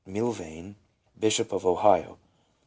M'llvaine, Bishop of Ohio.